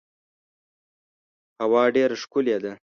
هوا ډیره ښکلې ده .